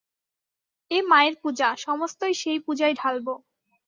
এ মায়ের পূজা, সমস্তই সেই পূজায় ঢালব।